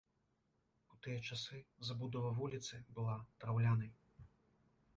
У тыя часы забудова вуліцы была драўлянай.